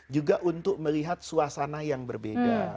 juga untuk melihat suasana yang berbeda